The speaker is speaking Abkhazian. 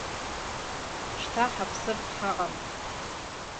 Шьҭа ҳаԥсыртә ҳаҟам.